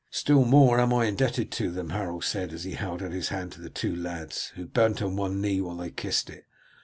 "Still more am I indebted to them," Harold said as he held out his hand to the two lads, who bent on one knee while they kissed it.